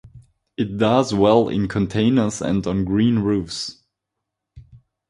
It does well in containers and on green roofs.